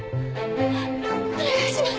お願いします